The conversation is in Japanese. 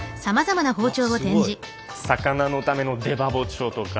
魚のための出刃包丁とか。